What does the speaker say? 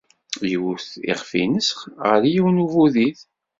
Iwet iɣef-nnes ɣer yiwen n ubudid.